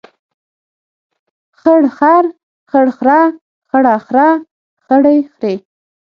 خړ خر، خړ خره، خړه خره، خړې خرې.